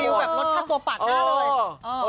คือรู้แบบลดค่าตัวปากหน้าเลย